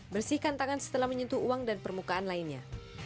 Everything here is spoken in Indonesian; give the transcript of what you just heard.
bersihkan tangan setelah menyentuh uang dan permukaan lainnya